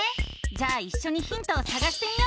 じゃあいっしょにヒントをさがしてみよう！